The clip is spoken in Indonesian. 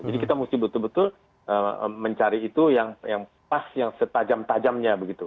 jadi kita musti betul betul mencari itu yang pas yang setajam tajamnya begitu